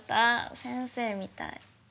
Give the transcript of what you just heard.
先生みたい。